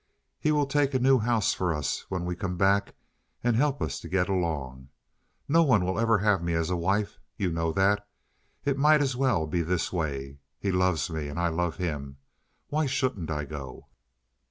He will take a new house for us when we come back and help us to get along. No one will ever have me as a wife—you know that. It might as well be this way. He loves me. And I love him. Why shouldn't I go?"